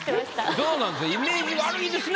どうなんですか？